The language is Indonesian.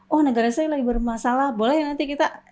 oh negara saya lagi bermasalah boleh nanti kita